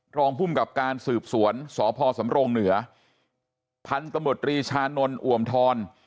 รองภูมิกับการสืบสวนสพสำรงเหนือพันธุ์ตำรวจรีชานนท์อ่วมทร